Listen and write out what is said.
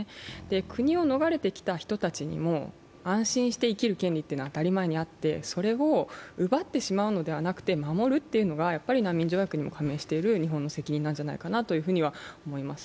国を逃れてきた人たちにも安心して生きる権利というのは当たり前にあって、それを奪ってしまうのではなくて守るということは難民条約にも加盟している日本の責任なのではないかと思います。